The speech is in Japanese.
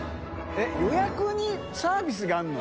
┐予約にサービスがあるの？